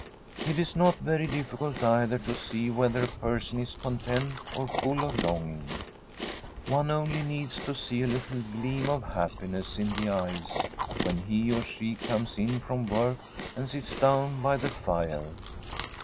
It is not very difficult either to see whether a person is content or full of longing. One only needs to see a little gleam of happiness in the eyes when he or she comes in from work and sits down by the fire.